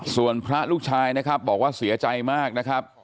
ส่วนพระลูกชายนะครับบอกว่าเสียใจมากนะครับ